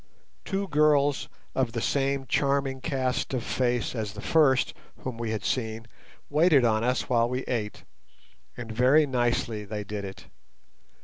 Two girls of the same charming cast of face as the first whom we had seen waited on us while we ate, and very nicely they did it.